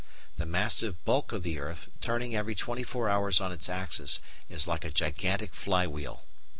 _ The massive bulk of the earth, turning every twenty four hours on its axis, is like a gigantic flywheel.